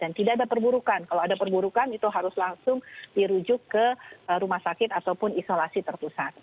dan tidak ada perburukan kalau ada perburukan itu harus langsung dirujuk ke rumah sakit ataupun isolasi tertusat